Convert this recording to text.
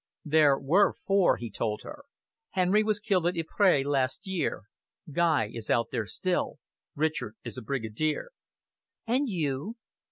"There were four," he told her. "Henry was killed at Ypres last year. Guy is out there still. Richard is a Brigadier." "And you?"